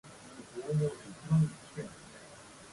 肝腎の洒落の方はさっぱりぴんと来ないことになる